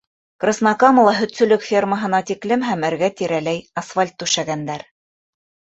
Краснокамала һөтсөлөк фермаһына тиклем һәм эргә-тирәләй асфальт түшәгәндәр.